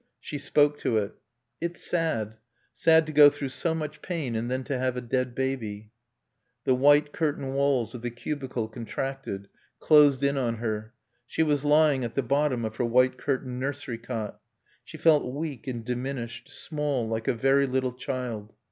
She spoke to it. "It's sad sad to go through so much pain and then to have a dead baby." The white curtain walls of the cubicle contracted, closed in on her. She was lying at the bottom of her white curtained nursery cot. She felt weak and diminished, small, like a very little child.